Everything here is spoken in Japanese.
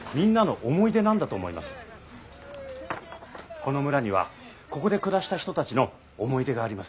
この村にはここで暮らした人たちの思い出があります。